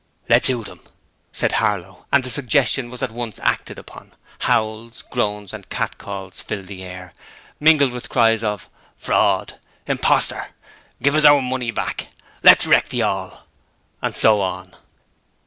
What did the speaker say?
'Let's 'oot 'im,' said Harlow, and the suggestion was at once acted upon; howls, groans and catcalls filled the air, mingled with cries of 'Fraud!' 'Imposter!' 'Give us our money back!' 'Let's wreck the 'all!' and so on.